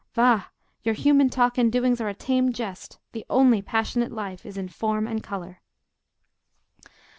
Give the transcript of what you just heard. —Va! your human talk and doings are a tame jest; the only passionate life is in form and colour."